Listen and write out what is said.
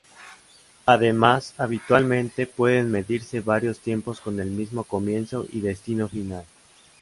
Además, habitualmente, pueden medirse varios tiempos con el mismo comienzo y distinto final.